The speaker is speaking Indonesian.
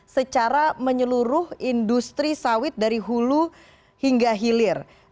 secara menyeluruh industri sawit dari hulu hingga hilir